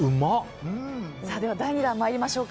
では、第２弾参りましょう。